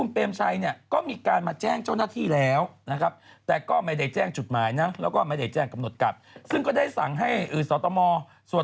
เพราะว่าตอนประกันตัว